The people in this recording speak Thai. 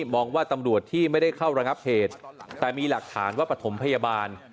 มองว่าตำรวจที่ไม่ได้เข้าระงับเหตุแต่มีหลักฐานว่าปฐมพยาบาล